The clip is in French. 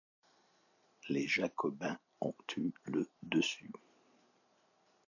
Les jacobins ont eu le dessus.